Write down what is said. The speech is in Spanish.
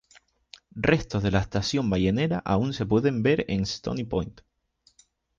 Restos de la estación ballenera aún se pueden ver en Stony Point.